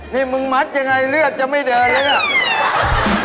นี่มึงมัดยังไงเลือดจะไม่เดินแล้วเนี่ย